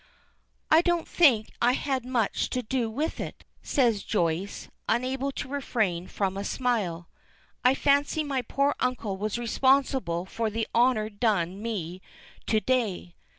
"I don't think I had much to do with it," says Joyce, unable to refrain from a smile. "I fancy my poor uncle was responsible for the honor done me to day."